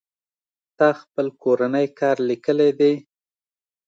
تا خپل کورنۍ کار ليکلى دئ.